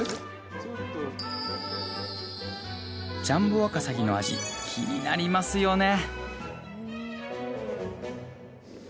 ジャンボわかさぎの味気になりますよね？